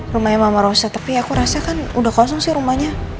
rumahnya mama roset tapi aku rasakan udah kosong sih rumahnya